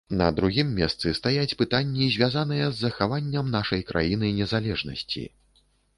На другім месцы стаяць пытанні, звязаныя з захаваннем нашай краіны незалежнасці.